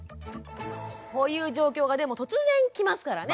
こういう状況がでも突然来ますからね。